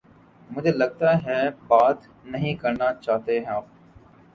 مجھے لگتا ہے بات نہیں کرنا چاہتے آپ